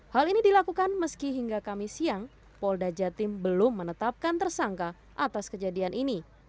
hal ini dilakukan meski hingga kamis siang polda jatim belum menetapkan tersangka atas kejadian ini